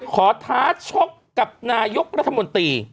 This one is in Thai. ท้าชกกับนายกรัฐมนตรี